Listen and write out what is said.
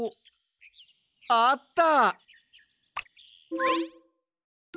あった！